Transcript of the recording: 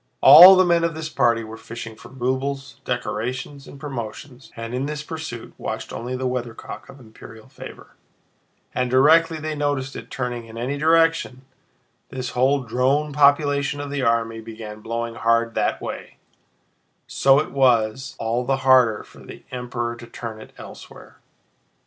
All the men of this party were fishing for rubles, decorations, and promotions, and in this pursuit watched only the weathercock of imperial favor, and directly they noticed it turning in any direction, this whole drone population of the army began blowing hard that way, so that it was all the harder for the Emperor to turn it elsewhere.